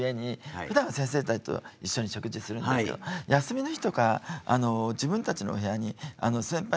ふだんは先生たちと一緒に食事するんですけど休みの日とか自分たちのお部屋に先輩が代々受け継いできた